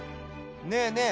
ねえねえ